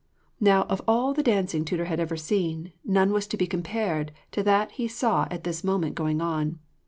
Now of all the dancing Tudur had ever seen, none was to be compared to that he saw at this moment going on.